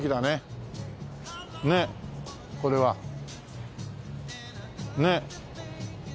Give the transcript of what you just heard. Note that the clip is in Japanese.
ねえこれは。ねえ。